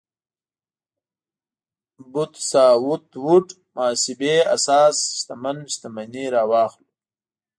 بوث ساوت ووډ محاسبې اساس شتمن شتمني راواخلو.